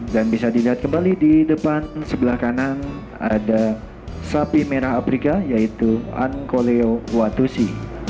dan bisa dilihat kembali di depan sebelah kanan ada sapi merah afrika yaitu ancoleo watusi